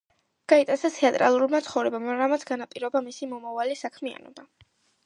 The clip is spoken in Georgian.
გაიტაცა თეატრალურმა ცხოვრებამ, რამაც განაპირობა მისი მომავალი საქმიანობა.